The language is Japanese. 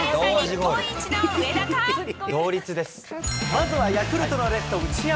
まずはヤクルトのレフト、内山。